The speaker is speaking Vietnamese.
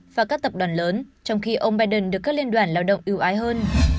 và các tập đoàn lớn trong khi ông biden được các liên đoàn lao động ưu ái hơn